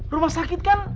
rumah sakit kan